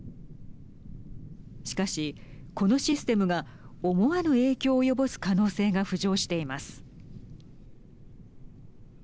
しかし、このシステムが思わぬ影響を及ぼす可能性が浮上しています。